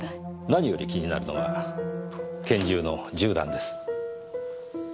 何より気になるのは拳銃の銃弾です。